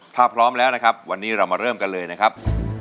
ถ้าพร้อมแล้วนะครับวันนี้เรามาเริ่มกันเลยนะครับ